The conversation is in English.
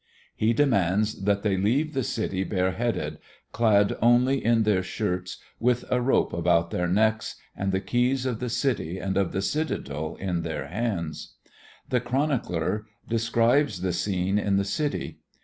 He demands that they leave the city bare headed, clad only in their shirts, with a rope about their necks and the keys of the city and of the citadel in their hands. The chronicler describes the scene in the city.